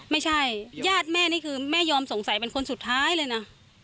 ไม่ใช่ญาติแม่นี่คือแม่ยอมสงสัยเป็นคนสุดท้ายเลยนะ